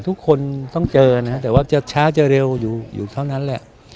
ทุกคนต้องเจอแต่เช้าเร็วแหละ